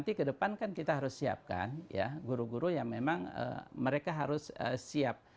jadi nanti kedepan kan kita harus siapkan ya guru guru yang memang mereka harus siap